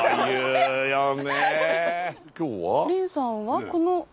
今日は？